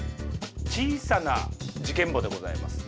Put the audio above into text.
「小さな事件簿」でございます。